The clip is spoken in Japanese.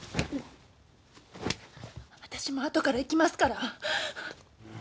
私も後から行きますから。